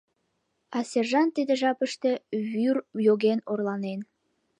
А сержант тиде жапыште вӱр йоген орланен.